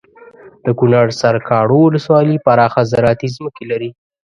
دکنړ سرکاڼو ولسوالي پراخه زراعتي ځمکې لري